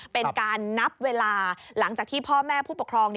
เป็นการนับเวลาหลังจากที่พ่อแม่ผู้ปกครอง